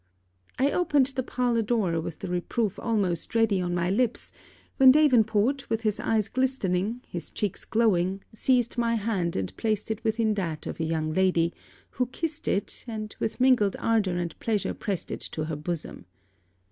I opened the parlour door with the reproof almost ready on my lips, when Davenport, with his eyes glistening, his cheeks glowing, seized my hand and placed it within that of a young lady, who kissed it, and with mingled ardour and pleasure pressed it to her bosom.